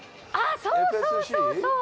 そうそうそうそう。